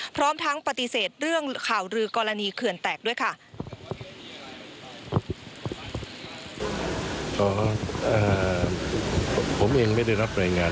พร้อมทั้งปฏิเสธเรื่องข่าวรือกรณีเขื่อนแตกด้วยค่ะ